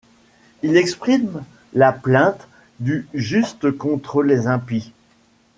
Il exprime la plainte du juste contre les impies.